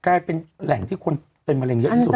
กลายเป็นแหล่งที่คนเป็นมะเร็งเยอะที่สุด